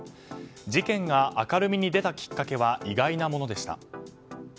事件が明るみに出たきっかけは意外なものでした。